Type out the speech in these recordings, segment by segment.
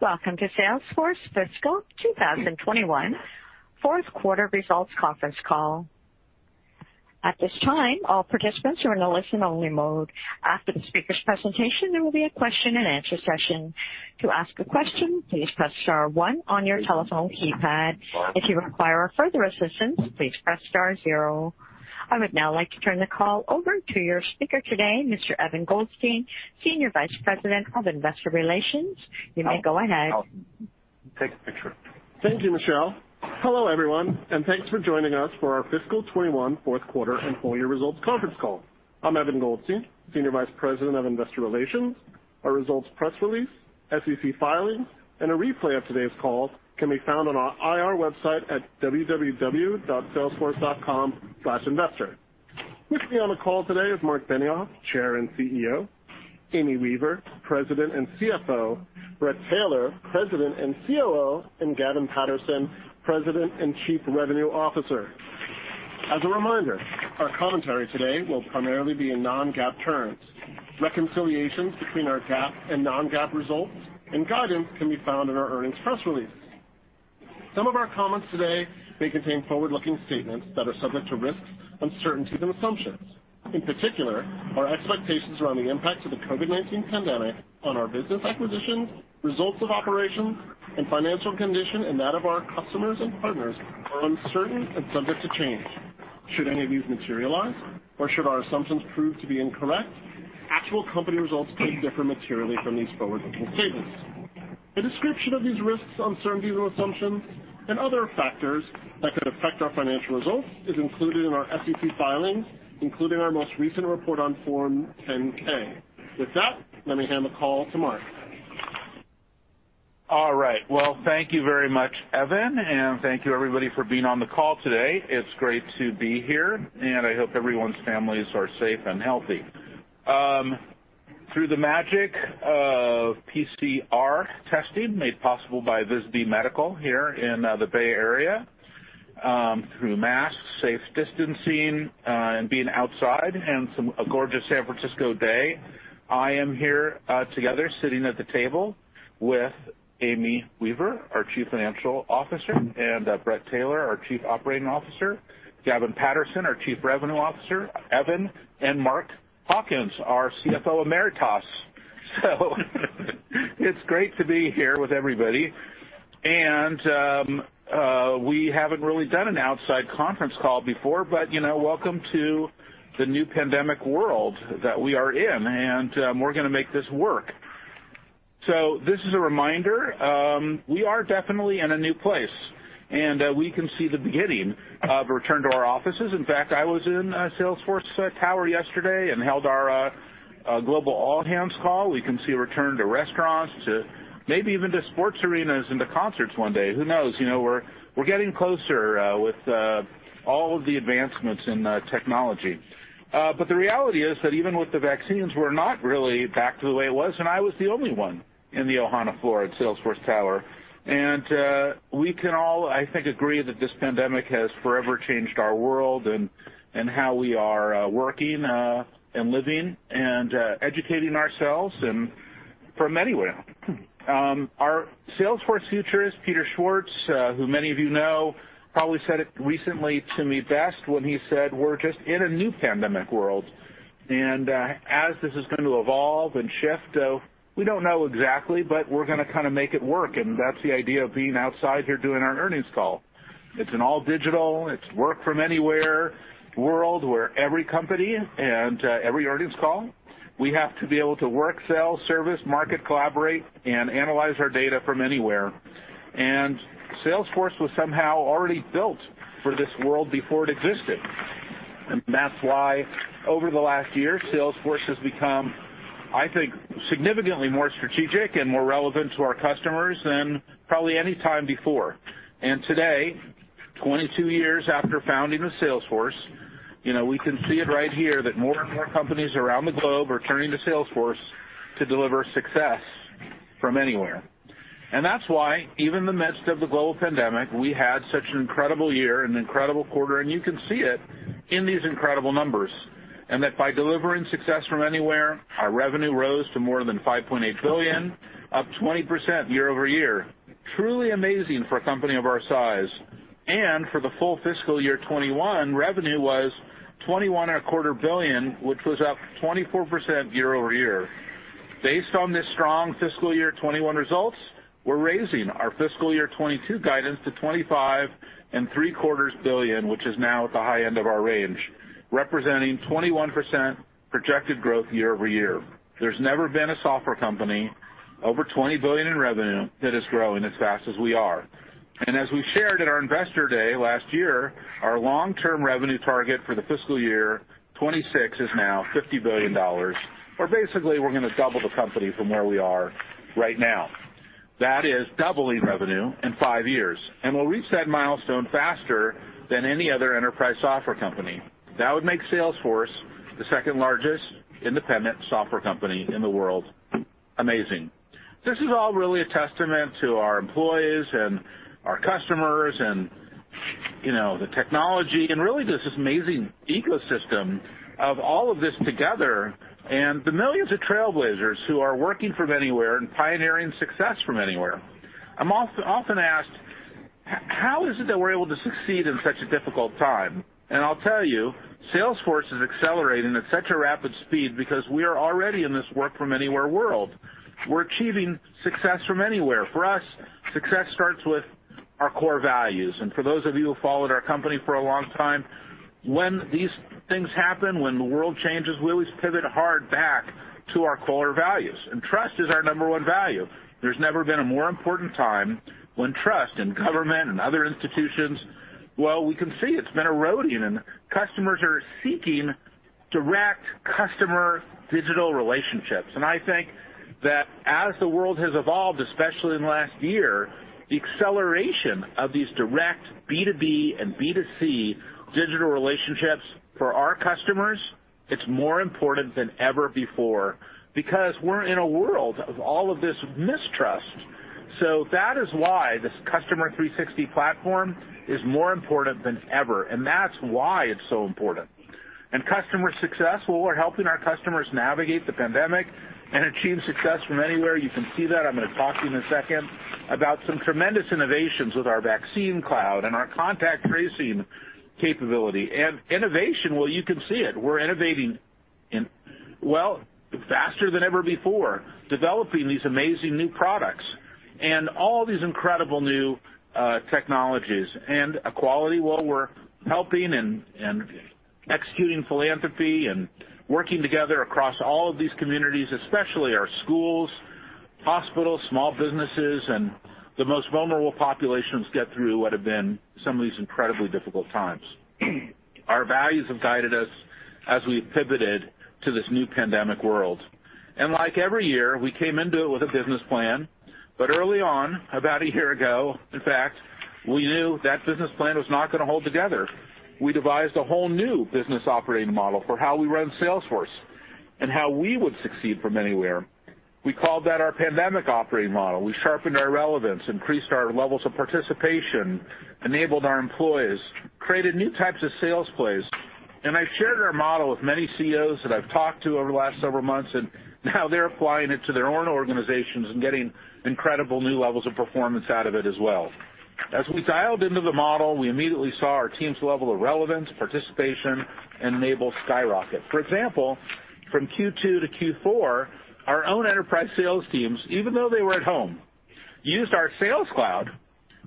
Welcome to Salesforce fiscal 2021 fourth quarter results conference call. At this time, all participants are in a listen-only mode. After the speaker's presentation, there will be a question-and-answer session. To ask a question, please press star one on your telephone keypad. If you require further assistance, please press star zero. I would now like to turn the call over to your speaker today, Mr. Evan Goldstein, Senior Vice President of Investor Relations. You may go ahead. Thank you, Michelle. Hello, everyone, and thanks for joining us for our fiscal 2021 fourth quarter and full-year results conference call. I'm Evan Goldstein, Senior Vice President of Investor Relations. Our results press release, SEC filings, and a replay of today's call can be found on our IR website at www.salesforce.com/investor. With me on the call today is Marc Benioff, Chair and CEO, Amy Weaver, President and CFO, Bret Taylor, President and COO, and Gavin Patterson, President and Chief Revenue Officer. As a reminder, our commentary today will primarily be in non-GAAP terms. Reconciliations between our GAAP and non-GAAP results and guidance can be found in our earnings press releases. Some of our comments today may contain forward-looking statements that are subject to risks, uncertainties, and assumptions. In particular, our expectations around the impact of the COVID-19 pandemic on our business acquisitions, results of operations, and financial condition, and that of our customers and partners, are uncertain and subject to change. Should any of these materialize, or should our assumptions prove to be incorrect, actual company results could differ materially from these forward-looking statements. A description of these risks, uncertainties, and assumptions, and other factors that could affect our financial results is included in our SEC filings, including our most recent report on Form 10-K. With that, let me hand the call to Marc. All right. Well, thank you very much, Evan, and thank you everybody for being on the call today. It's great to be here, and I hope everyone's families are safe and healthy. Through the magic of PCR testing, made possible by Visby Medical here in the Bay Area, through masks, safe distancing, and being outside on a gorgeous San Francisco day, I am here together sitting at the table with Amy Weaver, our Chief Financial Officer, and Bret Taylor, our Chief Operating Officer, Gavin Patterson, our Chief Revenue Officer, Evan, and Mark Hawkins, our CFO Emeritus. It's great to be here with everybody. We haven't really done an outside conference call before, but welcome to the new pandemic world that we are in, and we're going to make this work. This is a reminder. We are definitely in a new place, and we can see the beginning of a return to our offices. In fact, I was in Salesforce Tower yesterday and held our global all-hands call. We can see a return to restaurants, to maybe even to sports arenas and to concerts one day. Who knows? We're getting closer with all of the advancements in technology. The reality is that even with the vaccines, we're not really back to the way it was when I was the only one in the Ohana floor at Salesforce Tower. We can all, I think, agree that this pandemic has forever changed our world and how we are working and living and educating ourselves and from anywhere. Our Salesforce futurist, Peter Schwartz, who many of you know, probably said it recently to me best when he said we're just in a new pandemic world. As this is going to evolve and shift, we don't know exactly, but we're going to make it work. That's the idea of being outside here doing our earnings call. It's an all-digital, it's work-from-anywhere world where every company and every earnings call, we have to be able to work, sell, service, market, collaborate, and analyze our data from anywhere. Salesforce was somehow already built for this world before it existed. That's why over the last year, Salesforce has become, I think, significantly more strategic and more relevant to our customers than probably any time before. Today, 22 years after founding with Salesforce, you know, we can see it right here that more and more companies around the globe are turning to Salesforce to deliver success from anywhere. That's why even in the midst of the global pandemic, we had such an incredible year and an incredible quarter, and you can see it in these incredible numbers. That by delivering success from anywhere, our revenue rose to more than $5.8 billion, up 20% year-over-year. Truly amazing for a company of our size. And for the full fiscal year 2021, revenue was $21.25 billion, which was up 24% year-over-year. Based on these strong fiscal year 2021 results, we're raising our fiscal year 2022 guidance to $25.75 billion, which is now at the high end of our range, representing 21% projected growth year-over-year. There's never been a software company over $20 billion in revenue that is growing as fast as we are. As we shared at our Investor Day last year, our long-term revenue target for the fiscal year 2026 is now $50 billion, or basically, we're going to double the company from where we are right now. That is doubling revenue in five years. We'll reach that milestone faster than any other enterprise software company. That would make Salesforce the second-largest independent software company in the world. Amazing. This is all really a testament to our employees and our customers and, you know, the technology and really just this amazing ecosystem of all of this together, and the millions of Trailblazers who are working from anywhere and pioneering success from anywhere. I'm often asked, how is it that we're able to succeed in such a difficult time? I'll tell you, Salesforce is accelerating at such a rapid speed because we are already in this work-from-anywhere world. We're achieving success from anywhere. For us, success starts with our core values. For those of you who followed our company for a long time, when these things happen, when the world changes, we always pivot hard back to our core values, and trust is our number one value. There's never been a more important time when trust in government and other institutions, well, we can see it's been eroding, and customers are seeking direct customer digital relationships. I think that as the world has evolved, especially in the last year, the acceleration of these direct B2B and B2C digital relationships for our customers, it's more important than ever before because we're in a world of all of this mistrust. That is why this Customer 360 platform is more important than ever, and that's why it's so important. In customer success, well, we're helping our customers navigate the pandemic and achieve success from anywhere. You can see that. I'm going to talk to you in a second about some tremendous innovations with our Vaccine Cloud and our contact tracing capability. Innovation, well, you can see it. We're innovating, well, faster than ever before, developing these amazing new products and all these incredible new technologies. Equality, well, we're helping and executing philanthropy and working together across all of these communities, especially our schools, hospitals, small businesses, and the most vulnerable populations get through what have been some of these incredibly difficult times. Our values have guided us as we've pivoted to this new pandemic world. Like every year, we came into it with a business plan, but early on, about a year ago, in fact, we knew that business plan was not going to hold together. We devised a whole new business operating model for how we run Salesforce and how we would succeed from anywhere. We called that our pandemic operating model. We sharpened our relevance, increased our levels of participation, enabled our employees, created new types of sales plays. I shared our model with many CEOs that I've talked to over the last several months, and now they're applying it to their own organizations and getting incredible new levels of performance out of it as well. As we dialed into the model, we immediately saw our team's level of relevance, participation, and enable skyrocket. For example, from Q2 to Q4, our own enterprise sales teams, even though they were at home, used our Sales Cloud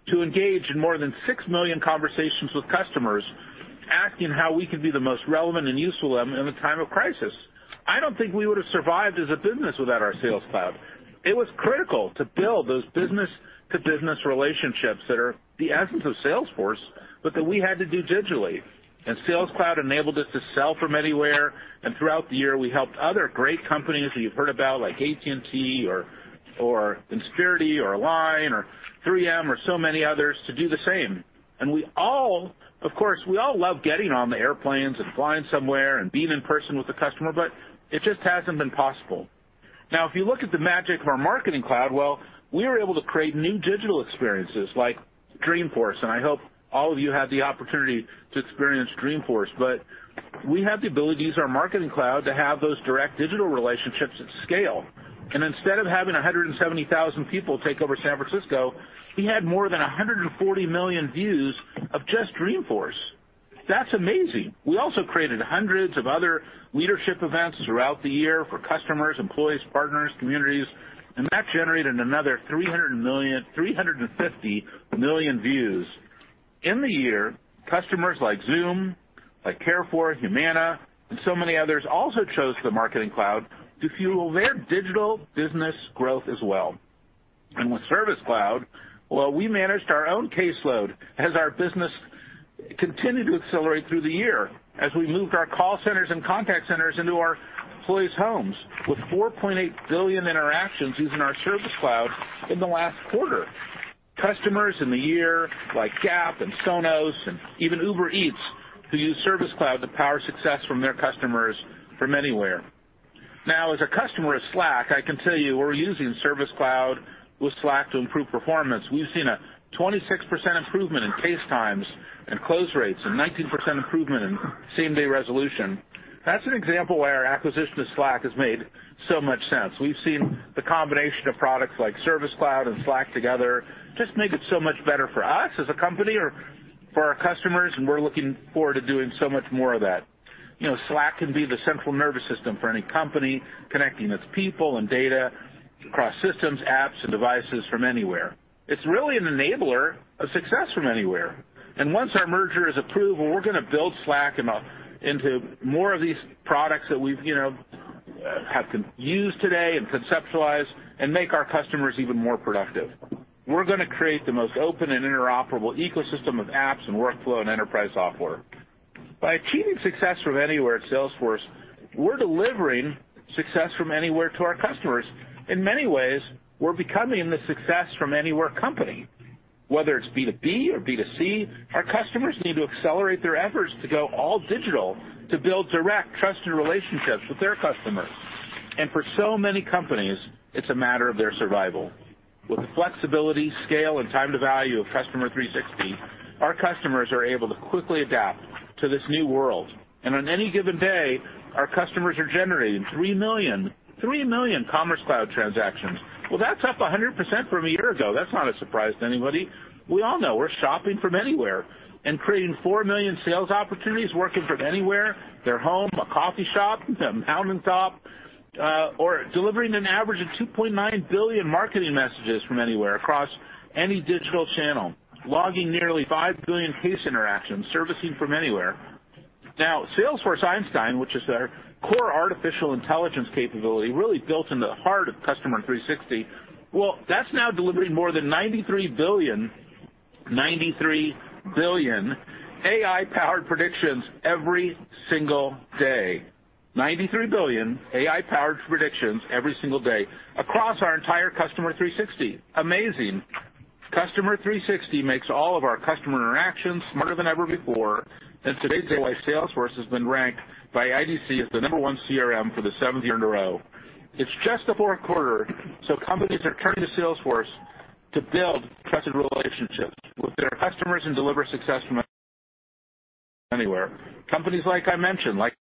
to engage in more than 6 million conversations with customers, asking how we can be the most relevant and useful to them in a time of crisis. I don't think we would've survived as a business without our Sales Cloud. It was critical to build those business-to-business relationships that are the essence of Salesforce, but that we had to do digitally. Sales Cloud enabled us to sell from anywhere, and throughout the year, we helped other great companies that you've heard about, like AT&T or Insperity or Align or 3M or so many others, to do the same. We all, of course, we all love getting on the airplanes and flying somewhere and being in person with the customer, but it just hasn't been possible. Now, if you look at the magic of our Marketing Cloud, well, we were able to create new digital experiences like Dreamforce, and I hope all of you had the opportunity to experience Dreamforce. We have the ability to use our Marketing Cloud to have those direct digital relationships at scale. Instead of having 170,000 people take over San Francisco, we had more than 140 million views of just Dreamforce. That's amazing. We also created hundreds of other leadership events throughout the year for customers, employees, partners, communities, and that generated another 350 million views. In the year, customers like Zoom, like Carrefour, Humana, and so many others also chose the Marketing Cloud to fuel their digital business growth as well. With Service Cloud, well, we managed our own caseload as our business continued to accelerate through the year as we moved our call centers and contact centers into our employees' homes, with 4.8 billion interactions using our Service Cloud in the last quarter. Customers in the year, like Gap and Sonos and even Uber Eats, who use Service Cloud to power success from their customers from anywhere. Now, as a customer of Slack, I can tell you we're using Service Cloud with Slack to improve performance. We've seen a 26% improvement in case times and close rates, a 19% improvement in same-day resolution. That's an example why our acquisition of Slack has made so much sense. We've seen the combination of products like Service Cloud and Slack together just make it so much better for us as a company or for our customers, and we're looking forward to doing so much more of that. You know, Slack can be the central nervous system for any company, connecting its people and data across systems, apps, and devices from anywhere. It's really an enabler of success from anywhere. Once our merger is approved, well, we're going to build Slack into more of these products that we, you know, have used today and conceptualized and make our customers even more productive. We're going to create the most open and interoperable ecosystem of apps and workflow and enterprise software. By achieving success from anywhere at Salesforce, we're delivering success from anywhere to our customers. In many ways, we're becoming the success-from-anywhere company. Whether it's B2B or B2C, our customers need to accelerate their efforts to go all digital to build direct, trusted relationships with their customers. For so many companies, it's a matter of their survival. With the flexibility, scale, and time to value of Customer 360, our customers are able to quickly adapt to this new world. On any given day, our customers are generating 3 million Commerce Cloud transactions. Well, that's up 100% from a year ago. That's not a surprise to anybody. We all know we're shopping from anywhere. Creating 4 million sales opportunities working from anywhere, their home, a coffee shop, a mountain top, or delivering an average of 2.9 billion marketing messages from anywhere across any digital channel, logging nearly 5 billion case interactions, servicing from anywhere. Salesforce Einstein, which is their core artificial intelligence capability really built in the heart of Customer 360, well, that's now delivering more than 93 billion AI-powered predictions every single day across our entire Customer 360. Amazing. Customer 360 makes all of our customer interactions smarter than ever before. Today, Salesforce has been ranked by IDC as the number one CRM for the seventh year in a row. It's just the fourth quarter. Companies are turning to Salesforce to build trusted relationships with their customers and deliver success from anywhere. Companies like I mentioned, like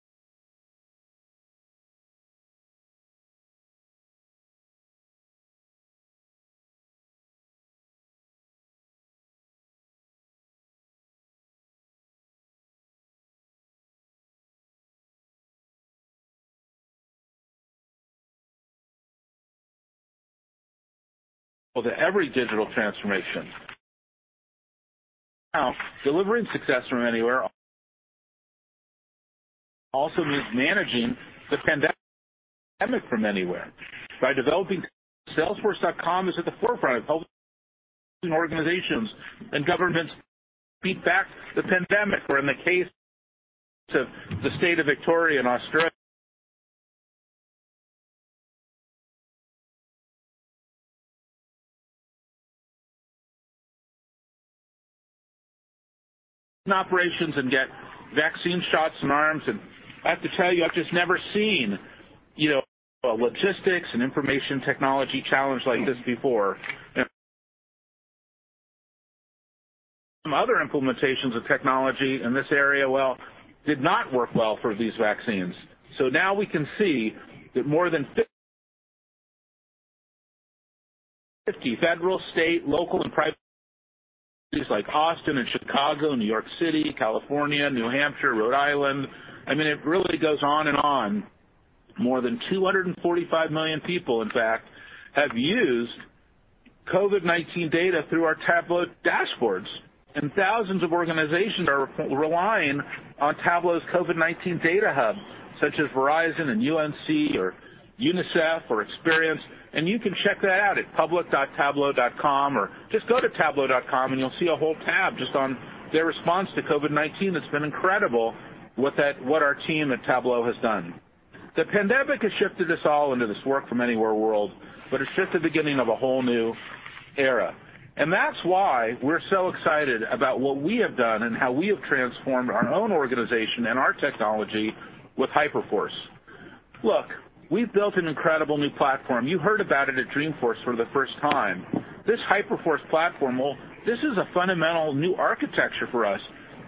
well, to every digital transformation. Now, delivering success from anywhere also means managing the pandemic from anywhere by developing Salesforce is at the forefront of helping organizations and governments beat back the pandemic, or in the case of the state of Victoria in Australia [inaudible] operations and get vaccine shots in arms. I have to tell you, I've just never seen a logistics and information technology challenge like this before. Some other implementations of technology in this area, well, did not work well for these vaccines. Now we can see that more than 50 federal, state, local, and private entities like Austin and Chicago, New York City, California, New Hampshire, Rhode Island, I mean, it really goes on and on. More than 245 million people, in fact, have used COVID-19 data through our Tableau dashboards, and thousands of organizations are relying on Tableau's COVID-19 data hub, such as Verizon and UNC or UNICEF or Experian. You can check that out at public.tableau.com or just go to tableau.com and you'll see a whole tab just on their response to COVID-19. It's been incredible what our team at Tableau has done. The pandemic has shifted us all into this work-from-anywhere world, but it's just the beginning of a whole new era. That's why we're so excited about what we have done and how we have transformed our own organization and our technology with Hyperforce. Look, we've built an incredible new platform. You heard about it at Dreamforce for the first time. This Hyperforce platform, well, this is a fundamental new architecture for us.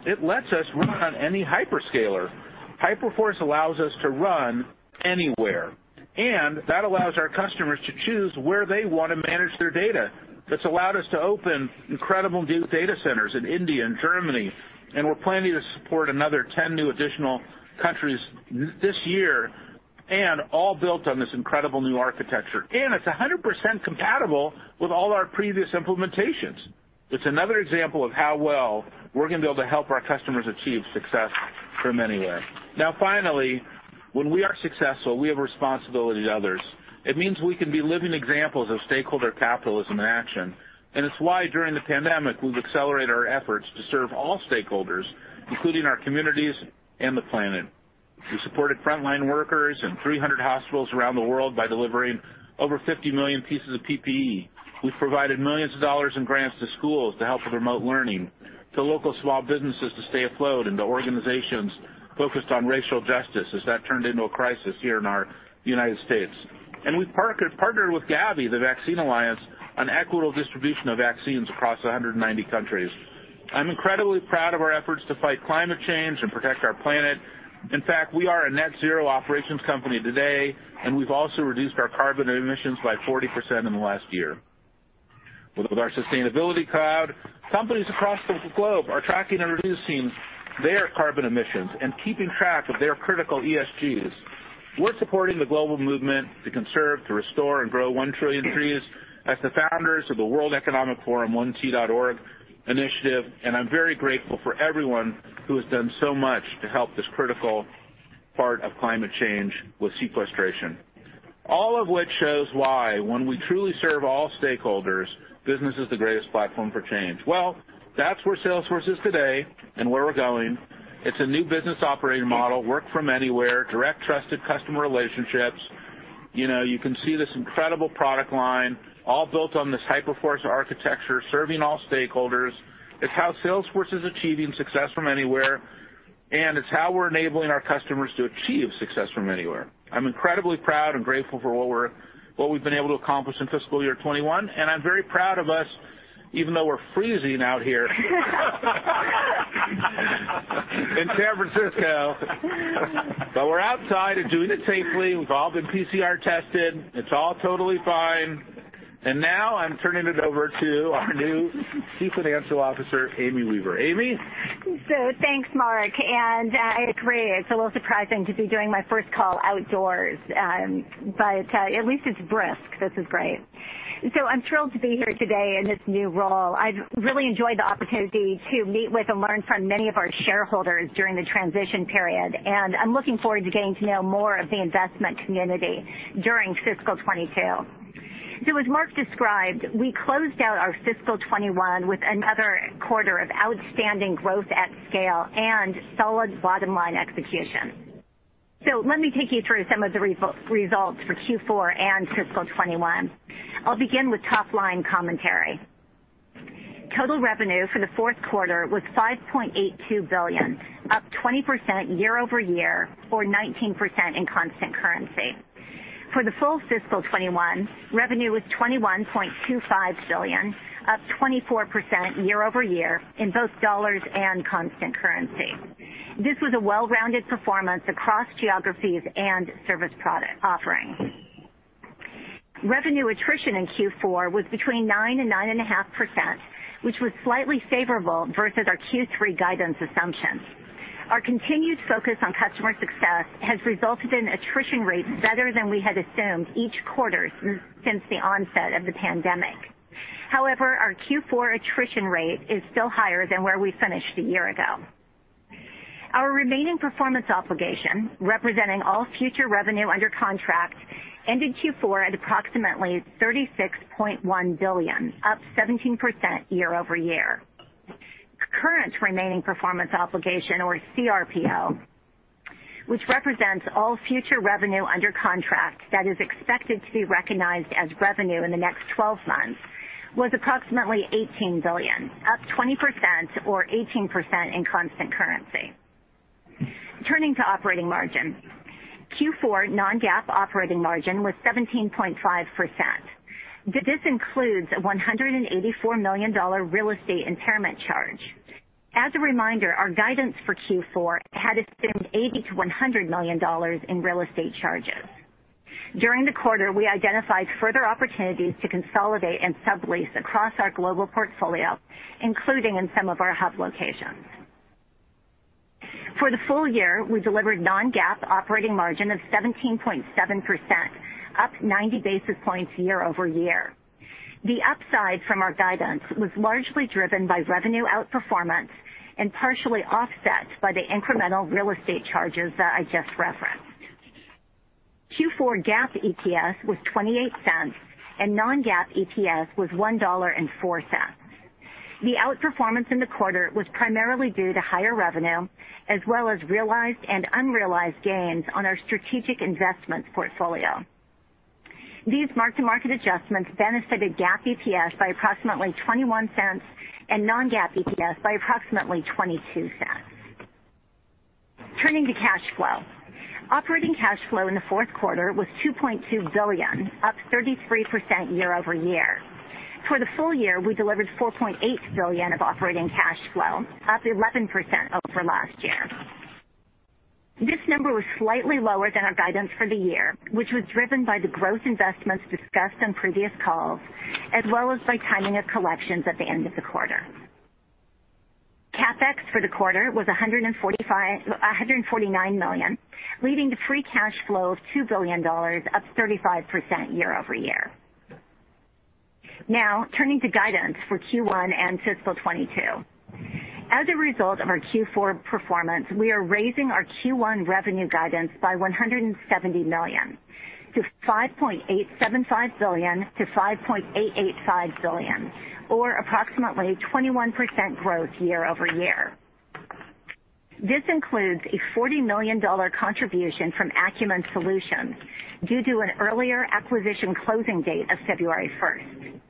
It lets us run on any hyperscaler. Hyperforce allows us to run anywhere. And that allows our customers to choose where they want to manage their data. That's allowed us to open incredible new data centers in India and Germany. We're planning to support another 10 new additional countries this year, and all built on this incredible new architecture. It's 100% compatible with all our previous implementations. It's another example of how well we're going to be able to help our customers achieve success from anywhere. Finally, when we are successful, we have a responsibility to others. It means we can be living examples of stakeholder capitalism in action. It's why during the pandemic, we've accelerated our efforts to serve all stakeholders, including our communities and the planet. We supported frontline workers in 300 hospitals around the world by delivering over 50 million pieces of PPE. We've provided millions of dollars in grants to schools to help with remote learning, to local small businesses to stay afloat, and to organizations focused on racial justice as that turned into a crisis here in our United States. We've partnered with Gavi, the Vaccine Alliance, on equitable distribution of vaccines across 190 countries. I'm incredibly proud of our efforts to fight climate change and protect our planet. In fact, we are a net zero operations company today, and we've also reduced our carbon emissions by 40% in the last year. With our Net Zero Cloud, companies across the globe are tracking and reducing their carbon emissions and keeping track of their critical ESGs. We're supporting the global movement to conserve, to restore, and grow 1 trillion trees as the founders of the World Economic Forum 1t.org initiative. I'm very grateful for everyone who has done so much to help this critical part of climate change with sequestration. All of which shows why when we truly serve all stakeholders, business is the greatest platform for change. Well, that's where Salesforce is today and where we're going. It's a new business operating model, work from anywhere, direct trusted customer relationships. You kow, you can see this incredible product line all built on this Hyperforce architecture, serving all stakeholders. It's how Salesforce is achieving success from anywhere. It's how we're enabling our customers to achieve success from anywhere. I'm incredibly proud and grateful for what we've been able to accomplish in fiscal year 2021, and I'm very proud of us, even though we're freezing out here in San Francisco. We're outside and doing it safely. We've all been PCR tested. It's all totally fine. Now I'm turning it over to our new Chief Financial Officer, Amy Weaver. Amy? Thanks, Mark, and I agree, it's a little surprising to be doing my first call outdoors. At least it's brisk. This is great. I'm thrilled to be here today in this new role. I've really enjoyed the opportunity to meet with and learn from many of our shareholders during the transition period, and I'm looking forward to getting to know more of the investment community during fiscal 2022. As Marc described, we closed out our fiscal 2021 with another quarter of outstanding growth at scale and solid bottom-line execution. Let me take you through some of the results for Q4 and fiscal 2021. I'll begin with top-line commentary. Total revenue for the fourth quarter was $5.82 billion, up 20% year-over-year or 19% in constant currency. For the full fiscal 2021, revenue was $21.25 billion, up 24% year-over-year in both dollars and constant currency. This was a well-rounded performance across geographies and service product offerings. Revenue attrition in Q4 was between 9% and 9.5%, which was slightly favorable versus our Q3 guidance assumptions. Our continued focus on customer success has resulted in attrition rates better than we had assumed each quarter since the onset of the pandemic. However, our Q4 attrition rate is still higher than where we finished a year ago. Our remaining performance obligation, representing all future revenue under contract, ended Q4 at approximately $36.1 billion, up 17% year-over-year. Current remaining performance obligation or CRPO, which represents all future revenue under contract that is expected to be recognized as revenue in the next 12 months, was approximately $18 billion, up 20% or 18% in constant currency. Turning to operating margin. Q4 non-GAAP operating margin was 17.5%. This includes a $184 million real estate impairment charge. As a reminder, our guidance for Q4 had assumed $80 million-$100 million in real estate charges. During the quarter, we identified further opportunities to consolidate and sublease across our global portfolio, including in some of our hub locations. For the full year, we delivered non-GAAP operating margin of 17.7%, up 90 basis points year-over-year. The upside from our guidance was largely driven by revenue outperformance and partially offset by the incremental real estate charges that I just referenced. Q4 GAAP EPS was $0.28, and non-GAAP EPS was $1.04. The outperformance in the quarter was primarily due to higher revenue, as well as realized and unrealized gains on our strategic investments portfolio. These mark-to-market adjustments benefited GAAP EPS by approximately $0.21 and non-GAAP EPS by approximately $0.22. Turning to cash flow. Operating cash flow in the fourth quarter was $2.2 billion, up 33% year-over-year. For the full year, we delivered $4.8 billion of operating cash flow, up 11% over last year. This number was slightly lower than our guidance for the year, which was driven by the growth investments discussed on previous calls, as well as by timing of collections at the end of the quarter. CapEx for the quarter was $149 million, leading to free cash flow of $2 billion, up 35% year-over-year. Turning to guidance for Q1 and fiscal 2022. As a result of our Q4 performance, we are raising our Q1 revenue guidance by $170 million-$5.875 billion to $5.885 billion, or approximately 21% growth year-over-year. This includes a $40 million contribution from Acumen Solutions due to an earlier acquisition closing date of February 1st.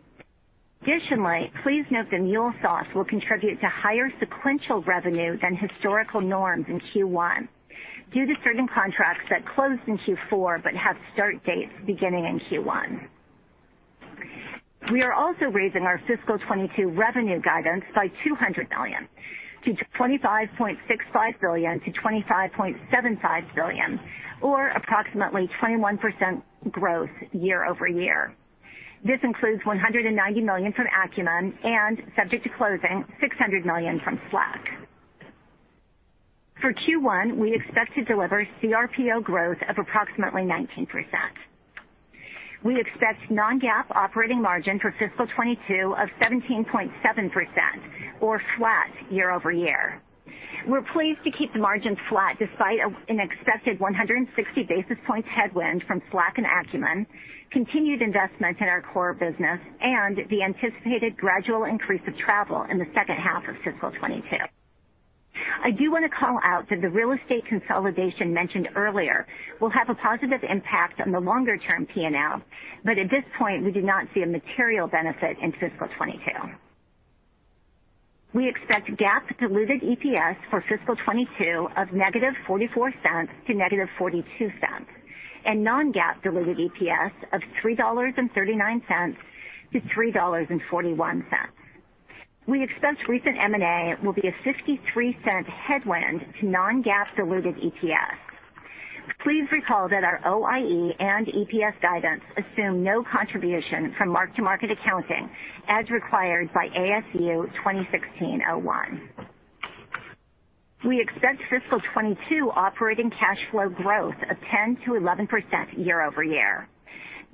Additionally, please note that MuleSoft will contribute to higher sequential revenue than historical norms in Q1 due to certain contracts that closed in Q4 but have start dates beginning in Q1. We are also raising our fiscal 2022 revenue guidance by $200 million to $25.65 billion-$25.75 billion, or approximately 21% growth year-over-year. This includes $190 million from Acumen and, subject to closing, $600 million from Slack. For Q1, we expect to deliver CRPO growth of approximately 19%. We expect non-GAAP operating margin for fiscal 2022 of 17.7%, or flat year-over-year. We're pleased to keep the margin flat despite an expected 160 basis points headwind from Slack and Acumen, continued investment in our core business, and the anticipated gradual increase of travel in the second half of fiscal 2022. I do want to call out that the real estate consolidation mentioned earlier will have a positive impact on the longer-term P&L. At this point, we do not see a material benefit in fiscal 2022. We expect GAAP diluted EPS for fiscal 2022 of -$0.44 to -$0.42, and non-GAAP diluted EPS of $3.39-$3.41. We expect recent M&A will be a $0.53 headwind to non-GAAP diluted EPS. Please recall that our OIE and EPS guidance assume no contribution from mark-to-market accounting, as required by ASU 2016-01. We expect fiscal 2022 operating cash flow growth of 10%-11% year-over-year.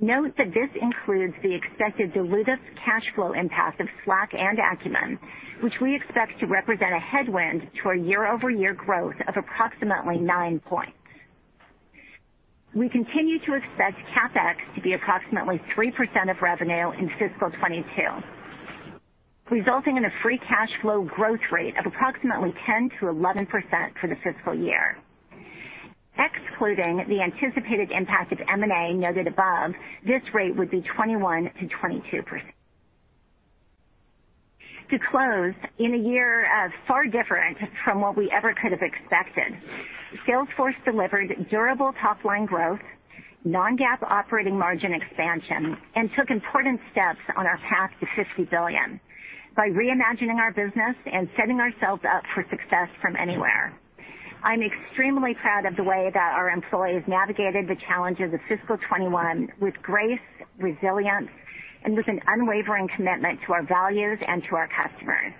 Note that this includes the expected dilutive cash flow impact of Slack and Acumen, which we expect to represent a headwind to our year-over-year growth of approximately 9 points. We continue to expect CapEx to be approximately 3% of revenue in fiscal 2022, resulting in a free cash flow growth rate of approximately 10%-11% for the fiscal year. Excluding the anticipated impact of M&A noted above, this rate would be 21%-22%. To close, in a year far different from what we ever could have expected, Salesforce delivered durable top-line growth, non-GAAP operating margin expansion, and took important steps on our path to $50 billion by reimagining our business and setting ourselves up for success from anywhere. I'm extremely proud of the way that our employees navigated the challenges of fiscal 2021 with grace, resilience, and with an unwavering commitment to our values and to our customers.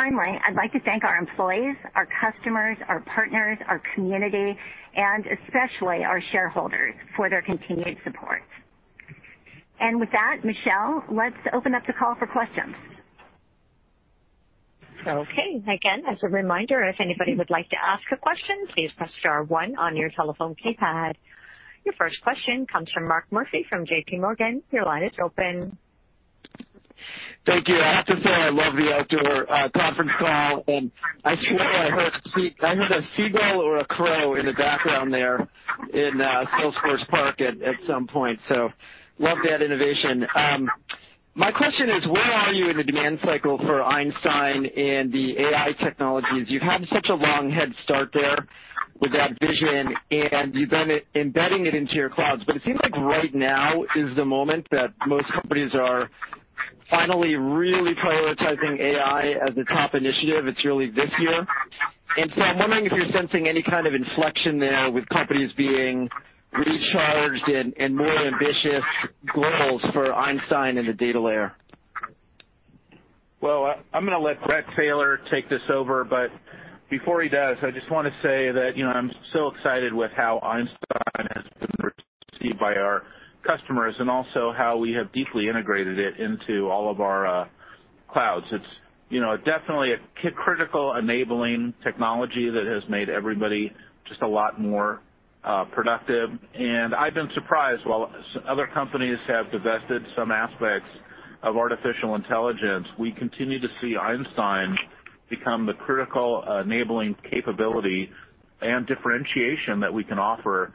Finally, I'd like to thank our employees, our customers, our partners, our community, and especially our shareholders for their continued support. With that, Michelle, let's open up the call for questions. Okay. Again, as a reminder, if anybody would like to ask a question, please press star one on your telephone keypad. Your first question comes from Mark Murphy from JPMorgan. Your line is open. Thank you. I have to say, I love the outdoor conference call, and I swear I heard a seagull or a crow in the background there in Salesforce Park at some point, so love that innovation. My question is, where are you in the demand cycle for Einstein and the AI technologies? You've had such a long head start there with that vision, and you've been embedding it into your clouds. It seems like right now is the moment that most companies are finally really prioritizing AI as a top initiative. It's really this year. I'm wondering if you're sensing any kind of inflection there with companies being recharged and more ambitious goals for Einstein in the data layer. Well, I'm going to let Bret Taylor take this over, but before he does, I just want to say that I'm so excited with how Einstein has been received by our customers and also how we have deeply integrated it into all of our clouds. It's definitely a critical enabling technology that has made everybody just a lot more productive. I've been surprised. While other companies have divested some aspects of artificial intelligence, we continue to see Einstein become the critical enabling capability and differentiation that we can offer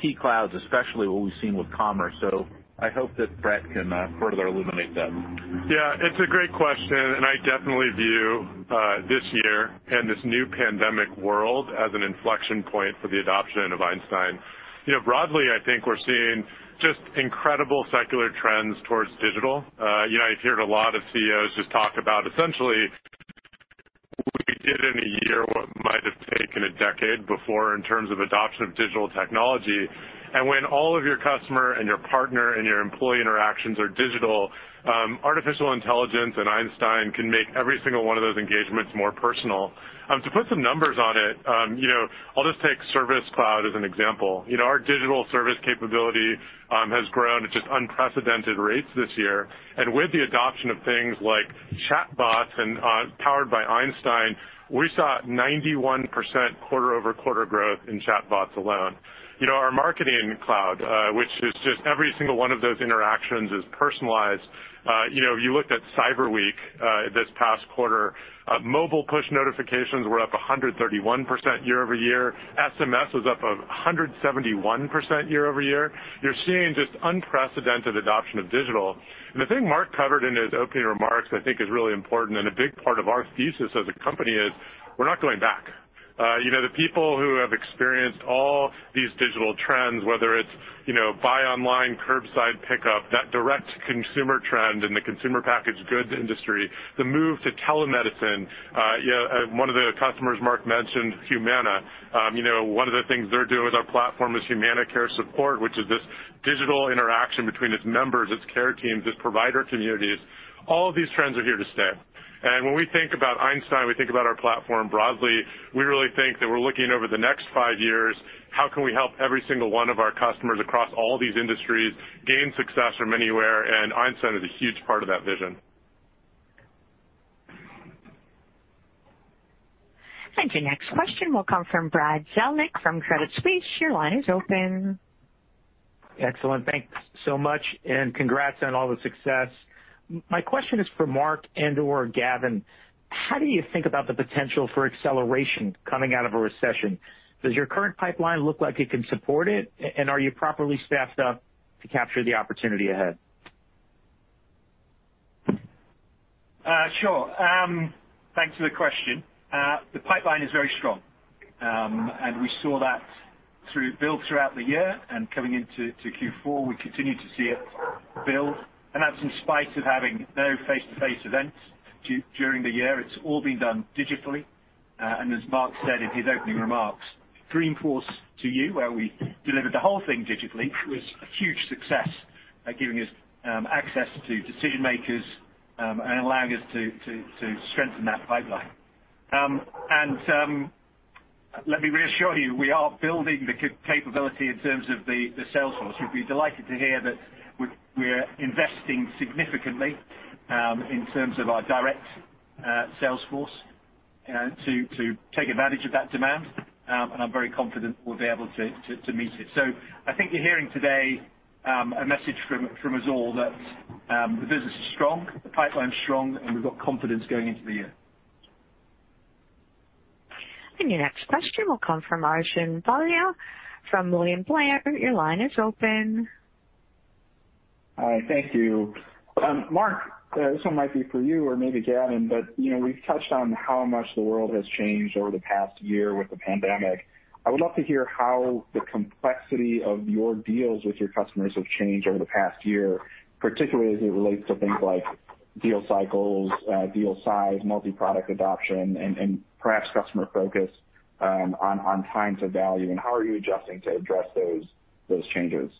key clouds, especially what we've seen with Commerce Cloud. I hope that Bret can further illuminate that. Yeah, it's a great question, and I definitely view this year and this new pandemic world as an inflection point for the adoption of Einstein. You know, broadly, I think we're seeing just incredible secular trends towards digital. You've heard a lot of CEOs just talk about essentially, we did in a year what might have taken a decade before in terms of adoption of digital technology. When all of your customer and your partner and your employee interactions are digital, artificial intelligence and Einstein can make every single one of those engagements more personal. To put some numbers on it, you know, I'll just take Service Cloud as an example. Our digital service capability has grown at just unprecedented rates this year. With the adoption of things like chatbots and powered by Einstein, we saw 91% quarter-over-quarter growth in chatbots alone. You know, our Marketing Cloud, which is just every single one of those interactions is personalized. You know, If you looked at Cyber Week this past quarter, mobile push notifications were up 131% year-over-year. SMS was up 171% year-over-year. You're seeing just unprecedented adoption of digital. The thing Marc covered in his opening remarks I think is really important, and a big part of our thesis as a company is we're not going back. You know, the people who have experienced all these digital trends, whether, you know, it's buy online, curbside pickup, that direct-to-consumer trend in the consumer packaged goods industry, the move to telemedicine. One of the customers Marc mentioned, Humana, you know, one of the things they're doing with our platform is Humana Care Support, which is this digital interaction between its members, its care teams, its provider communities. All of these trends are here to stay. And when we think about Einstein, we think about our platform broadly. We really think that we're looking over the next five years, how can we help every single one of our customers across all these industries gain success from anywhere? Einstein is a huge part of that vision. Your next question will come from Brad Zelnick from Credit Suisse. Your line is open. Excellent. Thanks so much, and congrats on all the success. My question is for Marc and/or Gavin. How do you think about the potential for acceleration coming out of a recession? Does your current pipeline look like it can support it? Are you properly staffed up to capture the opportunity ahead? Sure. Thanks for the question. The pipeline is very strong, and we saw that build throughout the year and coming into Q4, we continue to see it build, and that's in spite of having no face-to-face events during the year. It's all been done digitally. As Marc said in his opening remarks, Dreamforce to You, where we delivered the whole thing digitally, was a huge success at giving us access to decision-makers, and allowing us to strengthen that pipeline. Let me reassure you, we are building the capability in terms of the sales force. You'll be delighted to hear that we're investing significantly in terms of our direct sales force, you know, to take advantage of that demand, and I'm very confident we'll be able to meet it. So, I think you're hearing today a message from us all that the business is strong, the pipeline's strong, and we've got confidence going into the year. Your next question will come from Arjun Bhatia from William Blair. Your line is open. Hi. Thank you. Marc, this one might be for you or maybe Gavin, but, you know, we've touched on how much the world has changed over the past year with the pandemic. I would love to hear how the complexity of your deals with your customers have changed over the past year, particularly as it relates to things like deal cycles, deal size, multi-product adoption, and perhaps customer focus on time to value, and how are you adjusting to address those changes?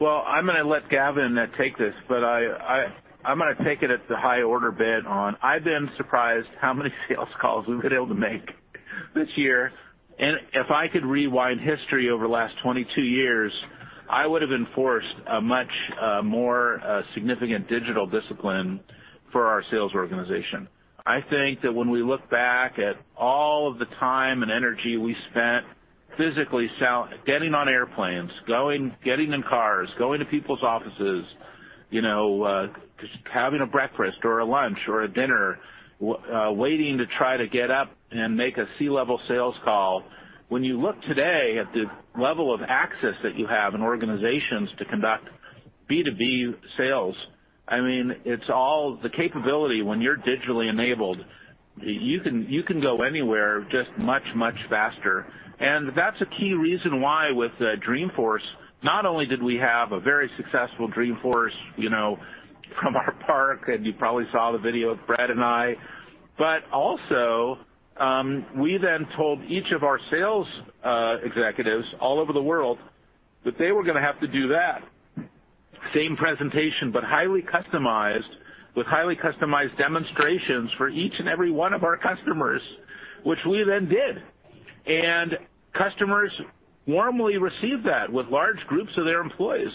Well, I'm going to let Gavin take this. I'm going to take it at the high-order bit on. I've been surprised how many sales calls we've been able to make this year. If I could rewind history over the last 22 years, I would've enforced a much more significant digital discipline for our sales organization. I think that when we look back at all of the time and energy we spent physically getting on airplanes, getting in cars, going to people's offices, you know, just having a breakfast or a lunch or a dinner, waiting to try to get up and make a C-level sales call. When you look today at the level of access that you have in organizations to conduct B2B sales, the capability when you're digitally enabled, you can go anywhere, just much, much faster. That's a key reason why with Dreamforce, not only did we have a very successful Dreamforce, you know, from our part, and you probably saw the video of Bret and I, but also, we then told each of our sales executives all over the world that they were going to have to do that same presentation, but with highly customized demonstrations for each and every one of our customers, which we then did. Customers warmly received that with large groups of their employees.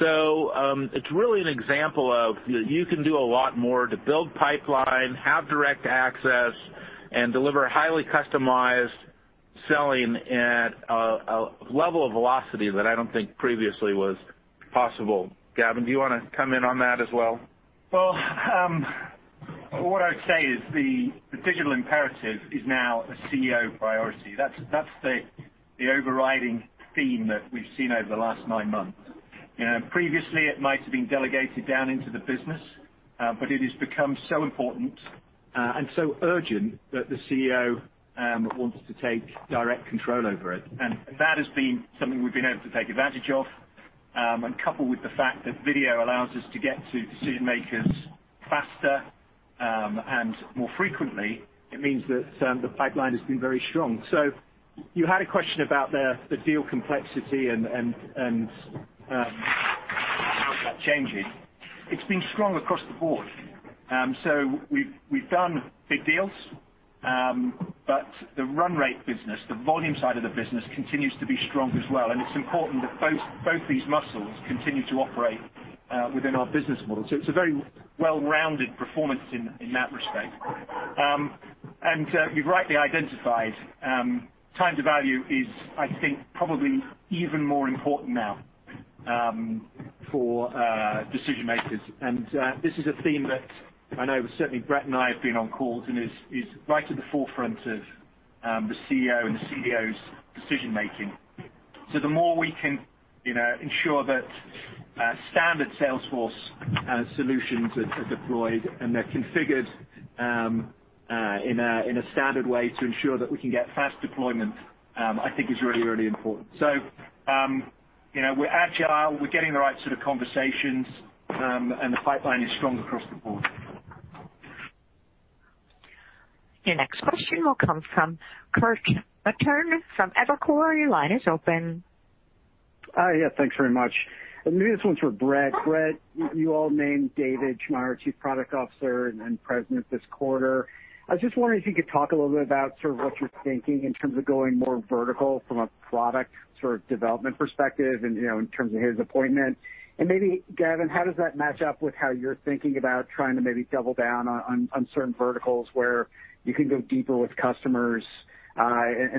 It's really an example of you can do a lot more to build pipeline, have direct access, and deliver highly customized selling at a level of velocity that I don't think previously was possible. Gavin, do you want to come in on that as well? Well, what I would say is the digital imperative is now a CEO priority. That's the overriding theme that we've seen over the last nine months. Previously, it might've been delegated down into the business, it has become so important and so urgent that the CEO wants to take direct control over it. That has been something we've been able to take advantage of, coupled with the fact that video allows us to get to decision-makers faster and more frequently, it means that the pipeline has been very strong. You had a question about the deal complexity and how that's changing. It's been strong across the board. We've done big deals, the run rate business, the volume side of the business, continues to be strong as well, it's important that both these muscles continue to operate within our business model. It's a very well-rounded performance in that respect. You've rightly identified, time to value is, I think, probably even more important now for decision-makers. This is a theme that I know certainly Bret and I have been on calls, and is right at the forefront of the CEO and the CEO's decision-making. The more we can, you know, ensure that standard Salesforce solutions are deployed and they're configured in a standard way to ensure that we can get fast deployment, I think is really, really important. You know, we're agile, we're getting the right sort of conversations, and the pipeline is strong across the board. Your next question will come from Kirk Materne from Evercore. Your line is open. Thanks very much. Maybe this one's for Bret. Bret, you all named David Schmaier, Chief Product Officer and President this quarter. I was just wondering if you could talk a little bit about sort of what you're thinking in terms of going more vertical from a product sort of development perspective and in terms of his appointment. Maybe Gavin, how does that match up with how you're thinking about trying to maybe double down on certain verticals where you can go deeper with customers, and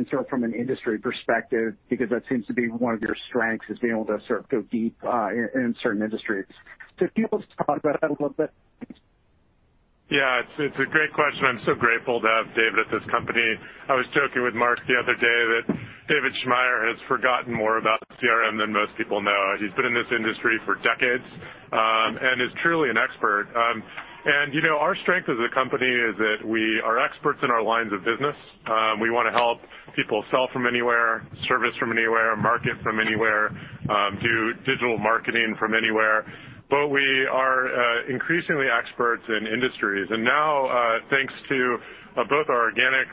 sort of from an industry perspective, because that seems to be one of your strengths, is being able to sort of go deep in certain industries. If you could just talk about that a little bit, please? Yeah, it's a great question. I'm so grateful to have David at this company. I was joking with Marc the other day that David Schmaier has forgotten more about CRM than most people know. He's been in this industry for decades, is truly an expert. You know, our strength as a company is that we are experts in our lines of business. We want to help people sell from anywhere, service from anywhere, market from anywhere, do digital marketing from anywhere. We are increasingly experts in industries. Now, thanks to both our organic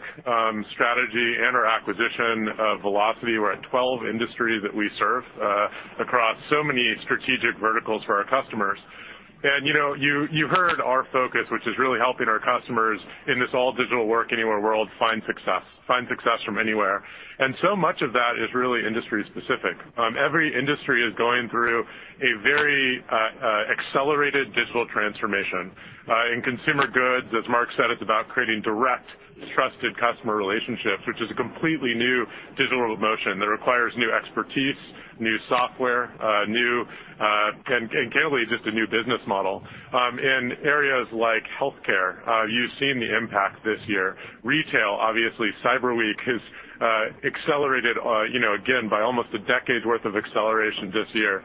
strategy and our acquisition of Vlocity, we're at 12 industries that we serve across so many strategic verticals for our customers. You heard our focus, which is really helping our customers in this, all digital work anywhere world, find success from anywhere. So much of that is really industry-specific. Every industry is going through a very accelerated digital transformation. In consumer goods, as Marc said, it's about creating direct, trusted customer relationships, which is a completely new digital motion that requires new expertise, new software, and genuinely, just a new business model. In areas like healthcare, you've seen the impact this year. Retail, obviously, Cyber Week has accelerated, you know, again by almost a decade's worth of acceleration this year.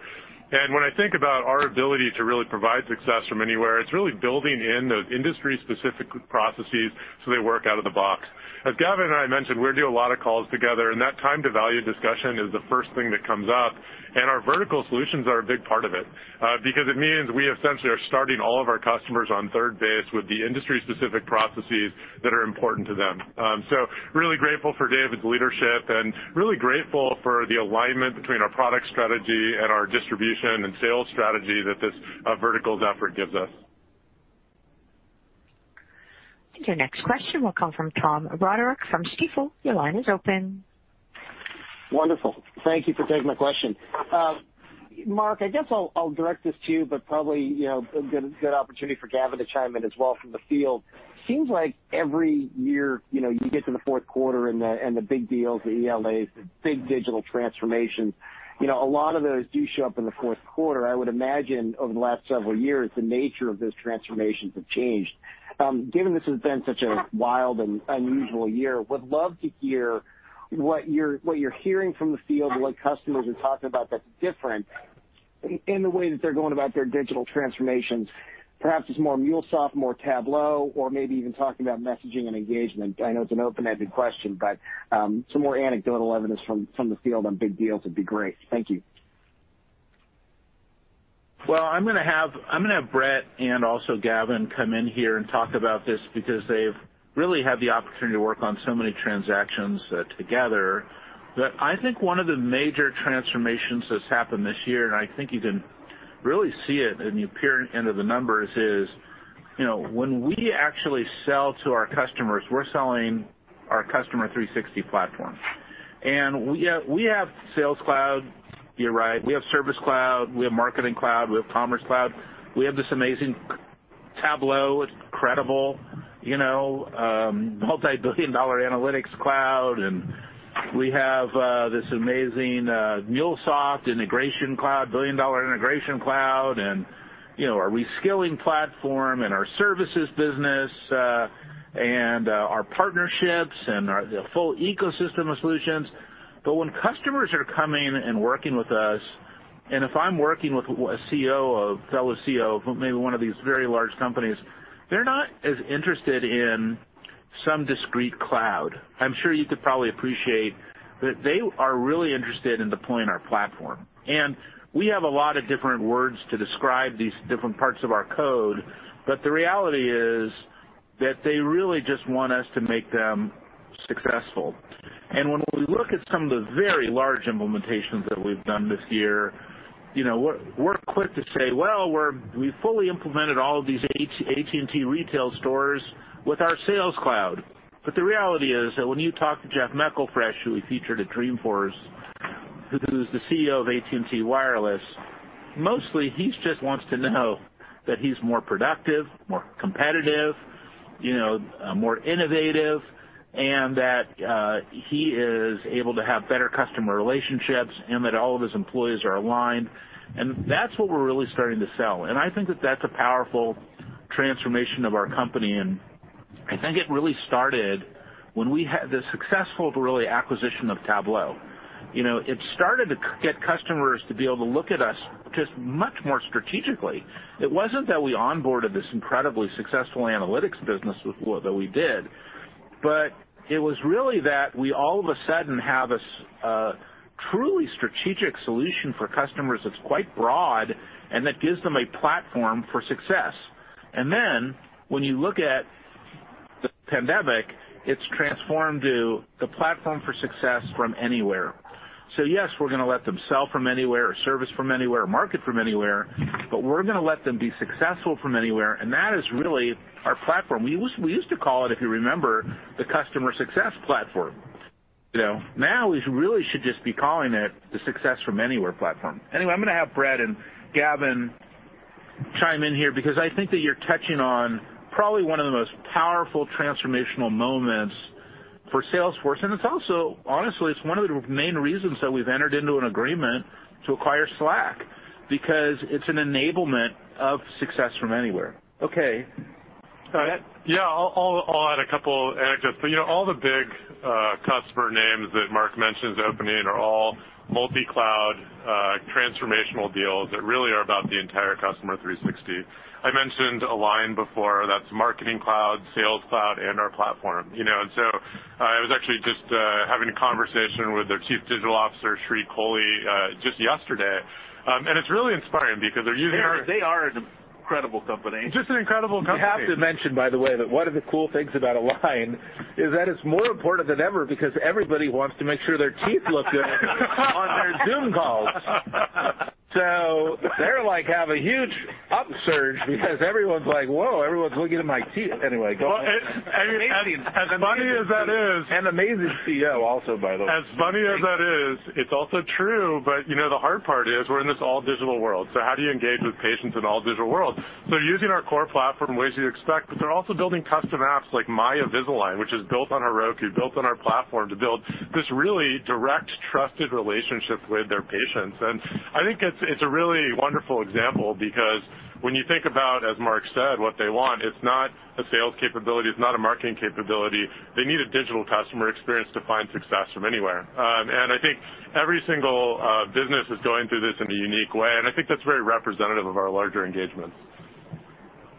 When I think about our ability to really provide success from anywhere, it's really building in those industry-specific processes so they work out of the box. As Gavin and I mentioned, we do a lot of calls together, and that time-to-value discussion is the first thing that comes up, and our vertical solutions are a big part of it. Because it means we essentially are starting all of our customers on third base with the industry-specific processes that are important to them. Really grateful for David's leadership and really grateful for the alignment between our product strategy and our distribution and sales strategy that this verticals effort gives us. Your next question will come from Tom Roderick from Stifel. Your line is open. Wonderful. Thank you for taking my question. Mark, I guess I'll direct this to you, but probably, you know, a good opportunity for Gavin to chime in as well from the field. Seems like every year, you know, you get to the fourth quarter and the big deals, the ELAs, the big digital transformations. You know, a lot of those do show up in the fourth quarter. I would imagine over the last several years, the nature of those transformations have changed. Given this has been such a wild and unusual year, would love to hear what you're hearing from the field and what customers are talking about that's different in the way that they're going about their digital transformations. Perhaps it's more MuleSoft, more Tableau, or maybe even talking about messaging and engagement. I know it's an open-ended question, but some more anecdotal evidence from the field on big deals would be great. Thank you. I'm going to have Bret and also Gavin come in here and talk about this because they've really had the opportunity to work on so many transactions together. I think one of the major transformations that's happened this year, and I think you can really see it in the apparent end of the numbers is, you know, when we actually sell to our customers, we're selling our Customer 360 platform. We have Sales Cloud, you're right, we have Service Cloud, we have Marketing Cloud, we have Commerce Cloud. We have this amazing Tableau, incredible, you know, multibillion-dollar analytics cloud, and we have this amazing MuleSoft billion-dollar integration cloud, and our reskilling platform and our services business, and our partnerships and the full ecosystem of solutions. When customers are coming and working with us, and if I'm working with a fellow CEO of maybe one of these very large companies, they're not as interested in some discrete cloud. I'm sure you could probably appreciate that they are really interested in deploying our platform. And we have a lot of different words to describe these different parts of our code, but the reality is that they really just want us to make them successful. And when we look at some of the very large implementations that we've done this year, you know, we're quick to say: Well, we fully implemented all of these AT&T retail stores with our Sales Cloud. But the reality is that when you talk to Jeff McElfresh, who we featured at Dreamforce, who's the CEO of AT&T Wireless, mostly he just wants to know that he's more productive, more competitive, you know, more innovative, and that he is able to have better customer relationships and that all of his employees are aligned, and that's what we're really starting to sell. And I think that that's a powerful transformation of our company, and I think it really started when we had the successful acquisition of Tableau. You know, It started to get customers to be able to look at us just much more strategically. It wasn't that we onboarded this incredibly successful analytics business, though we did, but it was really that we all of a sudden have this truly strategic solution for customers that's quite broad and that gives them a platform for success. And then, when you look at the pandemic, it's transformed to the platform for success from anywhere. Yes, we're going to let them sell from anywhere, service from anywhere, market from anywhere, but we're going to let them be successful from anywhere, and that is really our platform. We used to call it, if you remember, the customer success platform. Now, we really should just be calling it the success from anywhere platform. Anyway, I'm going to have Bret and Gavin chime in here because I think that you're touching on probably one of the most powerful transformational moments for Salesforce, it's also, honestly, it's one of the main reasons that we've entered into an agreement to acquire Slack, because it's an enablement of success from anywhere. Okay. Bret? Yeah. I'll add a couple anecdotes. All the big customer names that Marc mentioned at the opening are all multi-cloud transformational deals that really are about the entire Customer 360. I mentioned Align before. That's Marketing Cloud, Sales Cloud, and our platform. I was actually just having a conversation with their Chief Digital Officer, Sree Kolli, just yesterday. It's really inspiring because they're using our. They are an incredible company. Just an incredible company. I have to mention, by the way, that one of the cool things about Align is that it's more important than ever because everybody wants to make sure their teeth look good, on their Zoom calls. They're like having a huge upsurge because everyone's like, whoa, everyone's looking at my teeth. Anyway, go ahead. Well, as funny as that is. Amazing CEO also, by the way. As funny as that is, it's also true. But, you know, the hard part is we're in this all digital world. How do you engage with patients in an all digital world? Using our core platform in ways you'd expect, but they're also building custom apps like My Invisalign, which is built on Heroku, built on our platform to build this really direct trusted relationship with their patients. I think it's a really wonderful example because when you think about, as Marc said, what they want, it's not a sales capability, it's not a marketing capability. They need a digital customer experience to find success from anywhere. I think every single business is going through this in a unique way, and I think that's very representative of our larger engagements.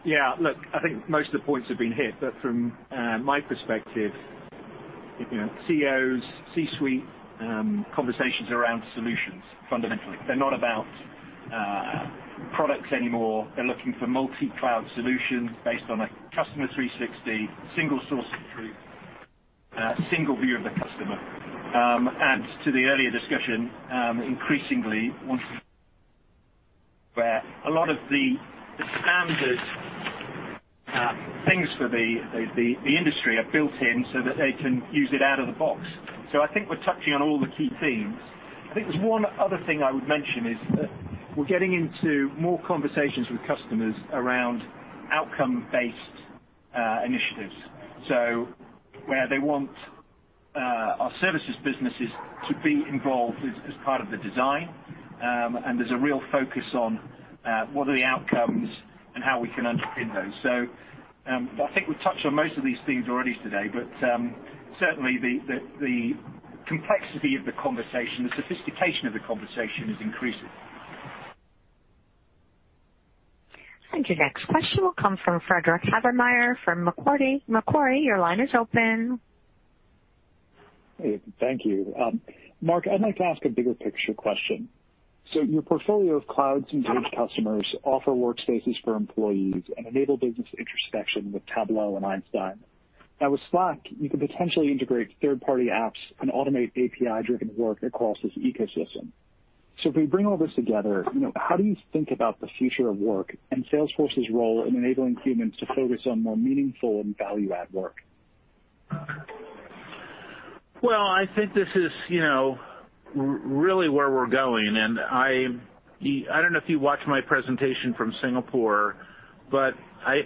Yeah. Look, I think most of the points have been hit, but from my perspective, CEOs, C-suite, conversations around solutions, fundamentally. They're not about products anymore. They're looking for multi-cloud solutions based on a Customer 360, single source of truth, single view of the customer. To the earlier discussion, increasingly, once, where a lot of the standard things for the industry are built-in so that they can use it out of the box. I think we're touching on all the key themes. I think there's one other thing I would mention, is that we're getting into more conversations with customers around outcome-based initiatives. Where they want our services businesses to be involved as part of the design, and there's a real focus on what are the outcomes and how we can underpin those. I think we've touched on most of these themes already today, but certainly the complexity of the conversation, the sophistication of the conversation is increasing. Your next question will come from Frederick Havemeyer from Macquarie. Macquarie, your line is open. Hey. Thank you. Marc, I'd like to ask a bigger picture question. Your portfolio of clouds engage customers, offer workspaces for employees, and enable business intersection with Tableau and Einstein. Now, with Slack, you can potentially integrate third-party apps and automate API-driven work across this ecosystem. If we bring all this together, how do you think about the future of work and Salesforce's role in enabling humans to focus on more meaningful and value-add work? Well, I think this is, you know, really where we're going, and I don't know if you watched my presentation from Singapore, but I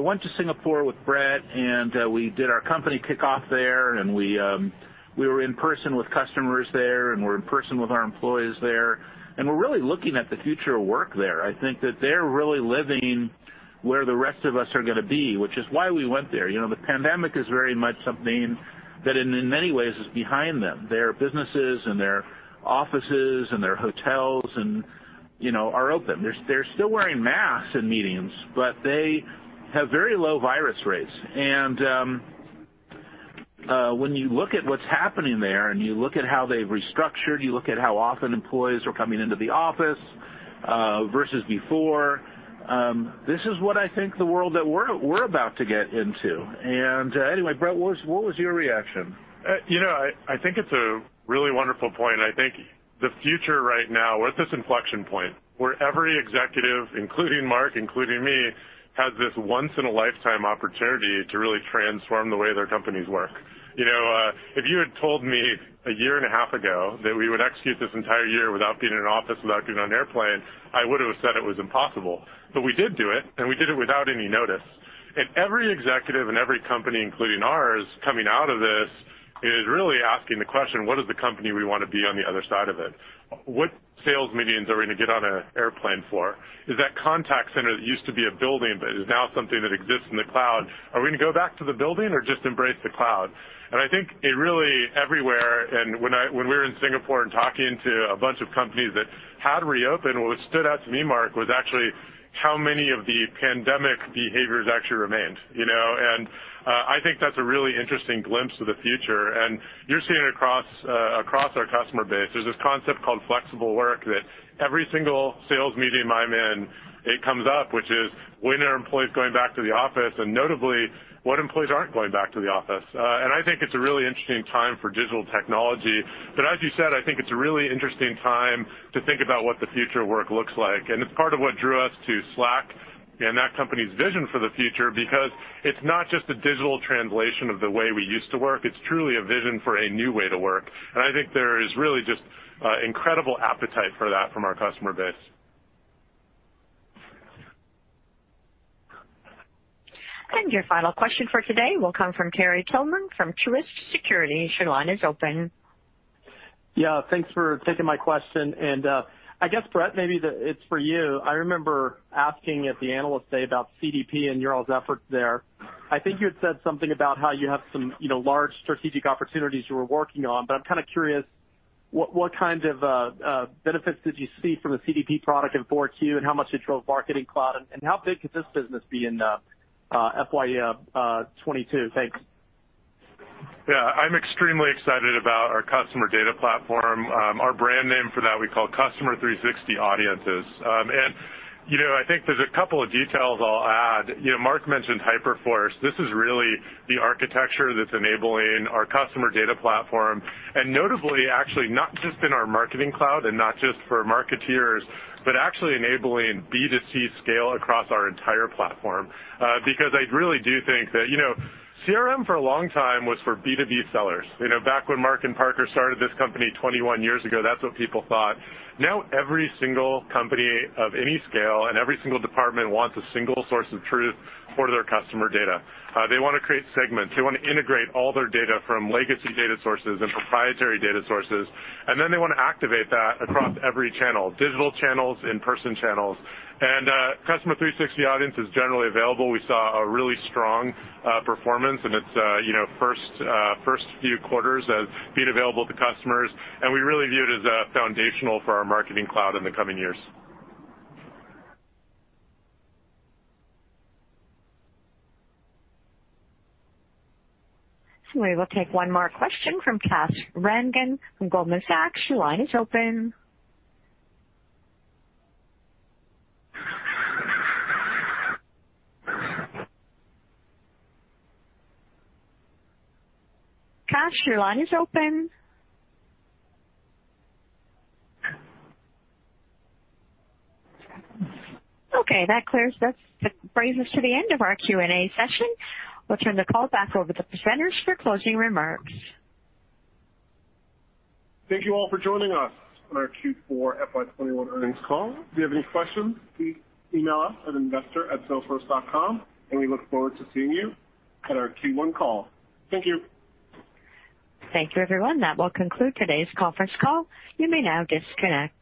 went to Singapore with Bret, and we did our company kickoff there, and we were in person with customers there, and we're in person with our employees there, and we're really looking at the future of work there. I think that they're really living where the rest of us are going to be, which is why we went there. The pandemic is very much something that, in many ways, is behind them. Their businesses and their offices and their hotels, you know, are open. They're still wearing masks in meetings, but they have very low virus rates. When you look at what's happening there, you look at how they've restructured, you look at how often employees are coming into the office versus before, this is what I think the world that we're about to get into. Anyway, Bret, what was your reaction? I think it's a really wonderful point, I think the future right now, we're at this inflection point where every executive, including Mark, including me, has this once in a lifetime opportunity to really transform the way their companies work. If you had told me a year and a half ago that we would execute this entire year without being in an office, without getting on a airplane, I would've said it was impossible. We did do it, we did it without any notice. Every executive in every company, including ours, coming out of this, is really asking the question, what is the company we want to be on the other side of it? What sales meetings are we going to get on a airplane for? Is that contact center that used to be a building, but is now something that exists in the cloud, are we going to go back to the building or just embrace the cloud? I think it really, everywhere, when we were in Singapore and talking to a bunch of companies that had reopened, what stood out to me, Marc, was actually how many of the pandemic behaviors actually remained. I think that's a really interesting glimpse of the future, and you're seeing it across our customer base. There's this concept called flexible work that every single sales meeting I'm in, it comes up, which is, when are employees going back to the office, and notably, what employees aren't going back to the office? I think it's a really interesting time for digital technology. As you said, I think it's a really interesting time to think about what the future of work looks like. It's part of what drew us to Slack and that company's vision for the future because it's not just a digital translation of the way we used to work. It's truly a vision for a new way to work. I think there is really just incredible appetite for that from our customer base. Your final question for today will come from Terry Tillman from Truist Securities. Your line is open. Yeah, thanks for taking my question. I guess, Bret, maybe it's for you. I remember asking at the Analyst Day about CDP and your all's efforts there. I think you had said something about how you have some you know, large strategic opportunities you were working on, I'm kind of curious, what kind of benefits did you see from the CDP product in Q4, how much did your Marketing Cloud, how big could this business be in FY 2022? Thanks. Yeah. I'm extremely excited about our customer data platform. Our brand name for that we call Customer 360 Audiences. You know, I think there's a couple of details I'll add. Marc mentioned Hyperforce. This is really the architecture that's enabling our customer data platform, and notably, actually, not just in our Marketing Cloud and not just for marketeers, but actually enabling B2C scale across our entire platform. Because I really do think that CRM, for a long time, was for B2B sellers. Back when Marc and Parker started this company 21 years ago, that's what people thought. Now, every single company of any scale and every single department wants a single source of truth for their customer data. They want to create segments. They want to integrate all their data from legacy data sources and proprietary data sources, and then they want to activate that across every channel, digital channels, in-person channels. Customer 360 Audiences is generally available. We saw a really strong performance in its, you know, first few quarters of being available to customers, and we really view it as foundational for our Marketing Cloud in the coming years. We will take one more question from Kash Rangan from Goldman Sachs. Your line is open. Kash, your line is open. That brings us to the end of our Q&A session. We'll turn the call back over to the presenters for closing remarks. Thank you all for joining us on our Q4 FY 2021 earnings call. If you have any questions, please email us at investor@salesforce.com. We look forward to seeing you at our Q1 call. Thank you. Thank you, everyone. That will conclude today's conference call. You may now disconnect.